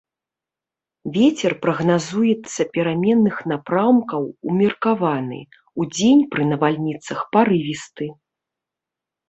Вецер прагназуецца пераменных напрамкаў умеркаваны, удзень пры навальніцах парывісты.